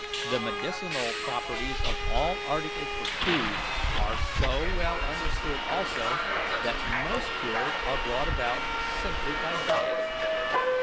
"The medicinal properties of all articles of food are so well understood also, that most cures are brought about simply by dieting.